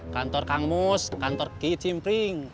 kantor kang mus kantor ki cimpling